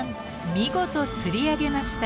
見事釣り上げました。